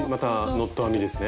ノット編みですね。